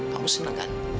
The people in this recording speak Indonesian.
kamu seneng kan